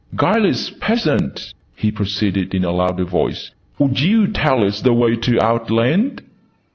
Guileless peasant!" he proceeded in a louder voice. "Would you tell us the way to Outland?"